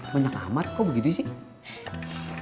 banyak amat kok begitu sih